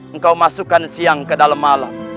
engkau masukkan siang ke dalam malam